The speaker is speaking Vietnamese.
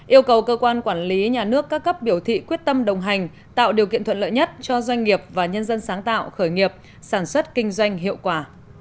yêu cầu cơ quan quản lý nhà nước các cấp biểu thị quyết tâm đồng hành tạo điều kiện thuận lợi nhất cho doanh nghiệp và nhân dân sáng tạo khởi nghiệp sản xuất kinh doanh hiệu quả